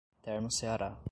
Termoceará